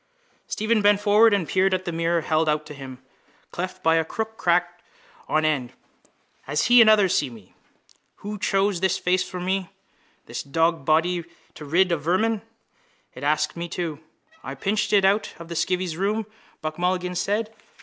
Stephen bent forward and peered at the mirror held out to him, cleft by a crooked crack. Hair on end. As he and others see me. Who chose this face for me? This dogsbody to rid of vermin. It asks me too. —I pinched it out of the skivvy's room, Buck Mulligan said.